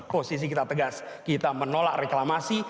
posisi kita tegas kita menolak reklamasi